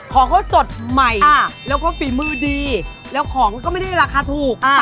ของเขาสดใหม่แล้วก็ฝีมือดีแล้วของก็ไม่ได้ราคาถูก